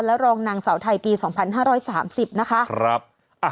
แล้วรองนางสาวไทยปีสองพันห้าร้อยสามสิบนะคะครับอ่ะ